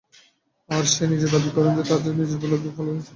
আর সে নিজে দাবী করে যে, তার নিজের উপর অলৌকিক ফল ফলেছে।